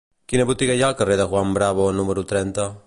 Quina botiga hi ha al carrer de Juan Bravo número trenta?